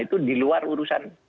itu di luar urusan